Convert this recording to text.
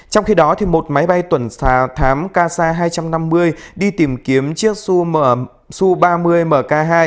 trong khi đó một máy bay tuần thám casa hai trăm năm mươi đi tìm kiếm chiếc su ba mươi mk hai